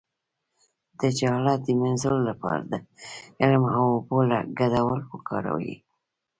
د جهالت د مینځلو لپاره د علم او اوبو ګډول وکاروئ